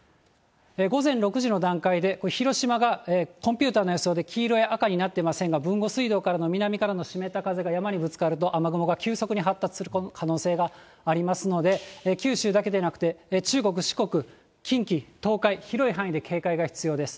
午前６時の段階で、広島がコンピューターの予想で黄色や赤になってませんが、豊後水道からの南からの湿った風が山にぶつかると、雨雲が急速に発達する可能性がありますので、九州だけでなくて、中国、四国、近畿、東海、広い範囲で警戒が必要です。